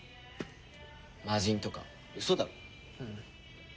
魔人とか嘘だろ？